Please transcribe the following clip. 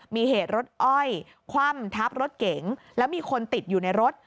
มีเหตุรถอ้อยคว่ำทับรถเก๋งแล้วมีคนติดอยู่ในรถ